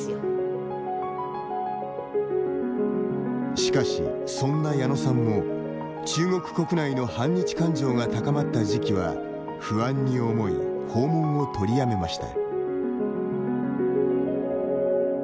しかし、そんな矢野さんも中国国内の反日感情が高まった時期は不安に思い訪問を取りやめました。